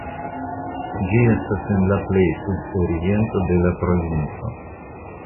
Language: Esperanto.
Ĝi estas en la plej sudoriento de la provinco.